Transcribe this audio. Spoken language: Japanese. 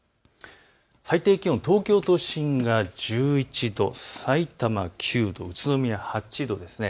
最低気温、東京都心１１度、さいたま９度、宇都宮８度です。